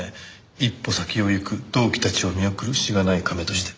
一歩先を行く同期たちを見送るしがないカメとして。